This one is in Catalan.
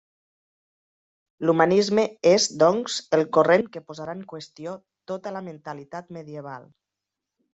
L’Humanisme és, doncs, el corrent que posarà en qüestió tota la mentalitat medieval.